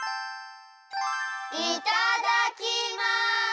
いただきます！